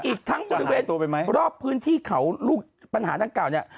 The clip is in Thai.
อีกทั้งบริเวณรอบพื้นที่เขาลูกปัญหาดังกล่าวเนี่ย